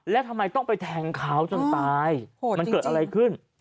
แล้วทำไมต้องไปแทงเขาจนตายมันเกิดอะไรขึ้น